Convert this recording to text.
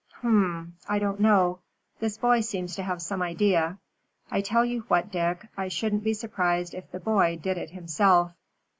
"Hum! I don't know. This boy seems to have some idea. I tell you what, Dick, I shouldn't be surprised if the boy did it himself."